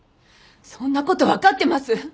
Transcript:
そんなこと分かってます。